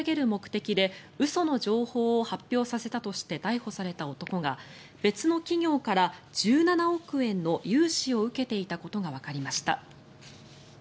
目的で嘘の情報を発表させたとして逮捕された男が別の企業から１７億円の融資を受けていたことがわかりました。